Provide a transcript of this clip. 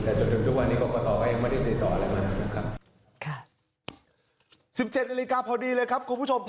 แต่จนถึงทุกวันนี้ก็ก็ต่อก็ยังไม่ได้ติดต่ออะไรมาเลยครับ